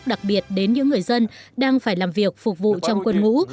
đặc biệt đến những người dân đang phải làm việc phục vụ trong quân ngũ